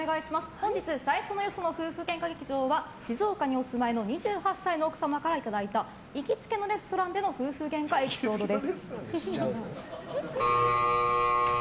本日最初のよその喧嘩劇場は静岡にお住まいの２８歳の奥様からいただいた行きつけのレストランでの夫婦げんかエピソードです。